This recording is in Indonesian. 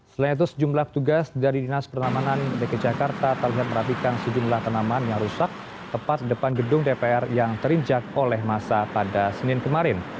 selain itu sejumlah tugas dari dinas pertamanan dki jakarta terlihat merapikan sejumlah tanaman yang rusak tepat depan gedung dpr yang terinjak oleh masa pada senin kemarin